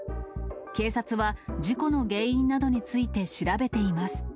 警察は、事故の原因などについて調べています。